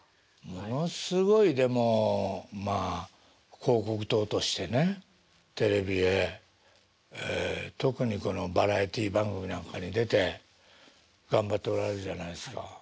ものすごいでもまあ広告塔としてねテレビへ特にこのバラエティー番組なんかに出て頑張っておられるじゃないですか。